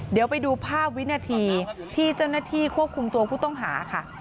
เดี๋ยวไปดูภาพวินาทีที่เจ้าหน้าที่ควบคุมตัวผู้ต้องหาค่ะ